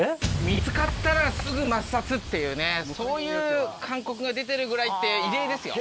見つかったらすぐ抹殺っていうねそういう勧告が出てるぐらいって異例ですよ。